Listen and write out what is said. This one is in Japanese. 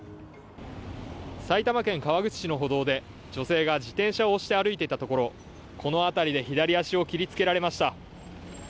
埼玉県川口市の歩道で女性が自転車を押して歩いていたところこの辺りで左足を切りつけられました。